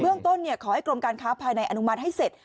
เรื่องต้นขอให้กรมการค้าภายในอนุมัติให้เสร็จ